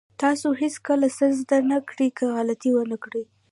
تاسو هېڅکله څه زده نه کړئ که غلطي ونه کړئ.